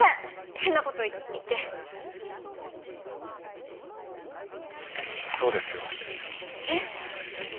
変なこと言ってそうですよえっ？